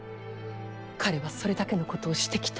彼はそれだけのことをしてきた。